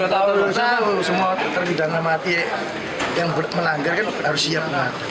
tahu tahu semua terhidang mati yang menanggarkan harus siap